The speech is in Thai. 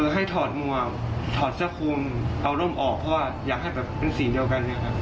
ถอดหมวกถอดเสื้อคุมเอาร่มออกเพราะว่าอยากให้แบบเป็นสีเดียวกัน